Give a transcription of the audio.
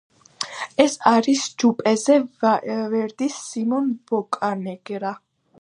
ეს არის ჯუზეპე ვერდის „სიმონ ბოკანეგრა“.